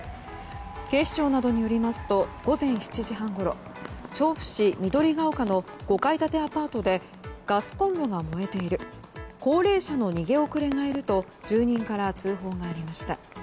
警視庁などによりますと午前７時半ごろ調布市緑ケ丘の５階建てアパートでガスコンロが燃えている高齢者の逃げ遅れがいると住人から通報がありました。